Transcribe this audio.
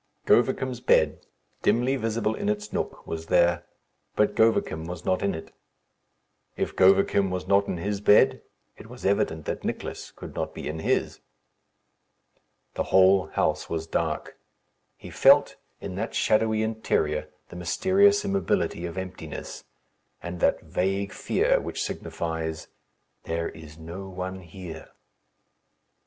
Govicum's bed, dimly visible in its nook, was there; but Govicum was not in it. If Govicum was not in his bed, it was evident that Nicless could not be in his. The whole house was dark. He felt in that shadowy interior the mysterious immobility of emptiness, and that vague fear which signifies "There is no one here."